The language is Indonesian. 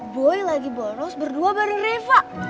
boy lagi boros berdua bareng reva